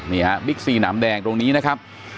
บิ๊กซีหนามแดงตรงนี้นะครับ